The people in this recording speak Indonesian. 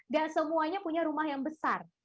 dan semuanya punya rumah yang besar